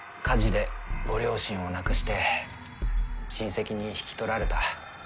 火事でご両親を亡くして親戚に引き取られた。